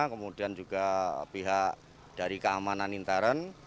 kemudian juga pihak dari keamanan intern